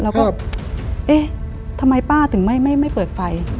แล้วก็เอ๊ะทำไมป้าถึงไม่เปิดไฟ